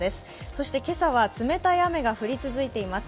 そして今朝は冷たい雨が降り続いています。